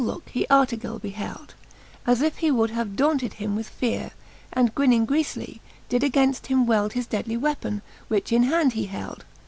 looke he Artegall beheld, As if he would have daunted him with feare, And grinning griefly, did againft him weld His deadly weapon, which in hand he held.